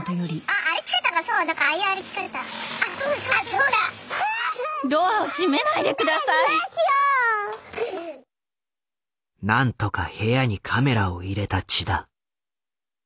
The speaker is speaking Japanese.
あそうだ！何とか部屋にカメラを入れた千田。